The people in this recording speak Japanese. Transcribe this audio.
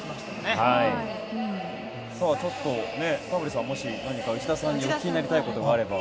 ちょっとタモリさんもし何か内田さんに聞きたいことがあれば。